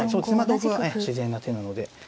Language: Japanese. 同歩は自然な手なので。